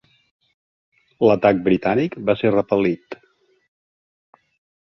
L'atac britànic va ser repel·lit.